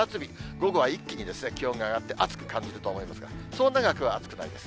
午後は一気に気温が上がって暑く感じると思うんですが、そう長くは暑くはないです。